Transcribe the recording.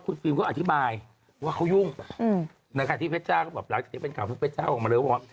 คุณฟิล์มเขาอธิบายว่าเขายุ่งที่เพชรก็แบบละที่เป็นข่าวของเพชรเจ้าออกมาแล้วว่า